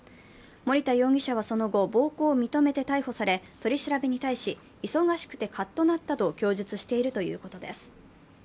森田容疑者はその後、暴行を認めて逮捕され取り調べに対し、忙しくてカッとなったと供述しているということです。